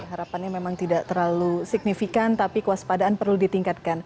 harapannya memang tidak terlalu signifikan tapi kewaspadaan perlu ditingkatkan